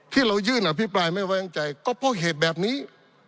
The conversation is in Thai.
ที่เรายื่นอภิปรายไม่ไว้วางใจก็เพราะเหตุแบบนี้